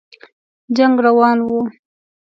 جنګ روان وو.